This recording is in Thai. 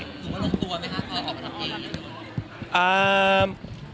หรือว่าลงตัวไหมครับหรือว่าเข้ามาทำเองหรือเปล่า